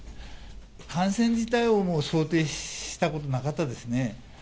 感染自体をもう想定したことなかったですね。